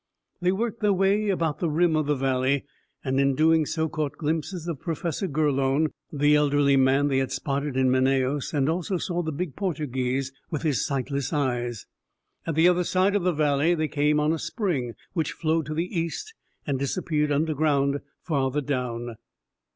They worked their way about the rim of the valley, and in doing so caught glimpses of Professor Gurlone, the elderly man they had spotted in Manaos, and also saw the big Portuguese with his sightless eyes. At the other side of the valley, they came on a spring which flowed to the east and disappeared under ground farther down.